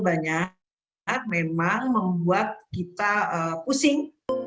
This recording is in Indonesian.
banyak memang membuat kita pusing